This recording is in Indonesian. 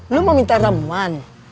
lu mau minta ramuan